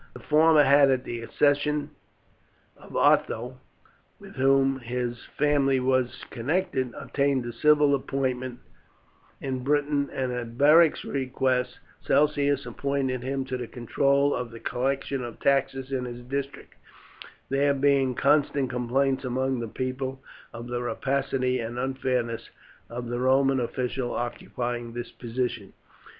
The former had at the accession of Otho, with whom his family were connected, obtained a civil appointment in Britain, and at Beric's request Celsius appointed him to the control of the collection of taxes in his district, there being constant complaints among the people of the rapacity and unfairness of the Roman official occupying this position.